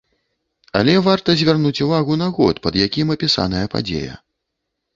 Але варта звярнуць увагу на год, пад якім апісаная падзея.